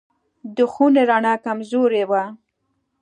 د خونې رڼا کمزورې وه.